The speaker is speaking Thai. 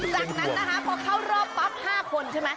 จากนั้นพอเข้าหรอบ๕คนใช่มั้ย